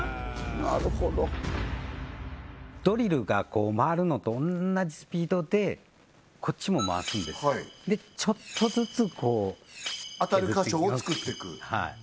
なるほどドリルが回るのと同じスピードでこっちも回すんですちょっとずつこう削っていく当たる箇所を作ってくはい